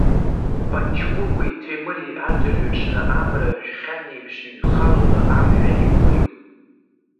Паҷкәыкәи Ҭемыри адырҩаҽны, амра жәхьан еиԥш иҩхалоны амҩа иқәлеит.